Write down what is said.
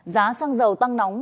giá xăng dầu tăng nóng